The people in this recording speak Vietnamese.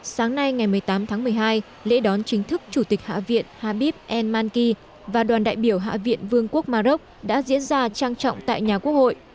sáng nay ngày một mươi tám tháng một mươi hai lễ đón chính thức chủ tịch hạ viện habbib el manki và đoàn đại biểu hạ viện vương quốc maroc đã diễn ra trang trọng tại nhà quốc hội